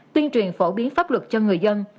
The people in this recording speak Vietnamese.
tuyên truyền phổ biến pháp luật cho người dân